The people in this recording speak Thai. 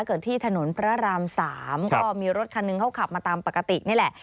ที่ถนนพระราม๓ก็มีรถคันหนึ่งเขาขับมาตามปกตินี่แหละ